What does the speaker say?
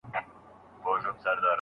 د مثبت فکر ځواک د ستونزو مخه نیسي.